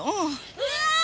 うわ！